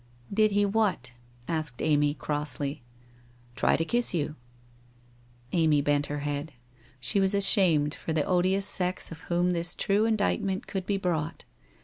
1 Did he what?' asked Amy crossly. 1 Try to kiss you ?' Amy bent her head. She was ashamed for the odious sex of whom this true indictment could be brought.